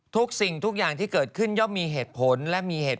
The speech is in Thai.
ทุกสิ่งทุกอย่างที่เกิดขึ้นยอมมีเหตุผล